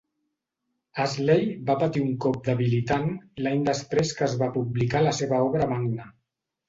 Ashley va patir un cop debilitant l'any després que es va publicar la seva obra magna.